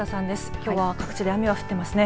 きょうは各地で雨が降っていますね。